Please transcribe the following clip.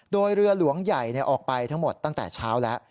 โดยเรือหลวงใหญ่ออกไปทั้งหมดตั้งแต่เช้าแล้ว